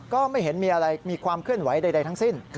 ก็ไม่เห็นมีอะไรมีความเคลื่อนไหวใดทั้งสิ้น